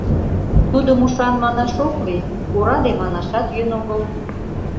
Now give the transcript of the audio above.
Тудым ушан манаш ок лий, ораде манашат йӧн огыл...